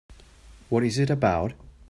What is it about?